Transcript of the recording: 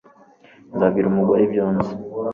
Nzabwira umugore ibyo nzi